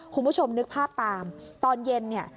คุณผู้ชมนึกภาพตามตอนเย็นเนี่ย